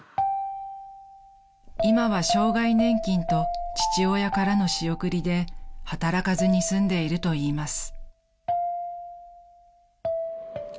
［今は障害年金と父親からの仕送りで働かずに済んでいるといいます］